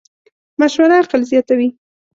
مشوره عقل زیاتوې.